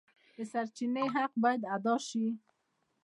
د سرچینې حق باید ادا شي.